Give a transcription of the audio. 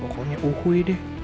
pokoknya uhuy deh